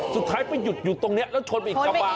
สุดท้ายไปหยุดอยู่ตรงนี้แล้วชนไปอีกกระบะ